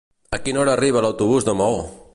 A quina hora arriba l'autobús de Maó?